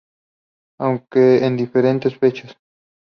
Aunque en diferentes fechas.